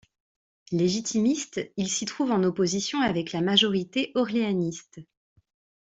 Légitimiste, il s'y trouve en opposion avec la majorité Orléaniste.